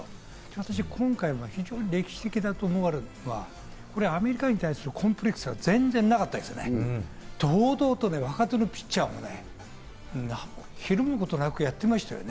私、今回も非常に歴史的だと思われるのは、アメリカに対するコンプレックスが全然なかったですね、堂々と若手のピッチャーもね、ひるむことなくやってましたね。